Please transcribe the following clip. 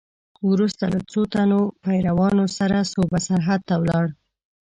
وروسته له څو تنو پیروانو سره صوبه سرحد ته ولاړ.